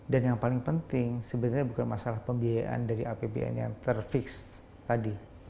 dan yang paling penting sebenarnya bukan masalah pembiayaan dari apbn yang terfiks tadi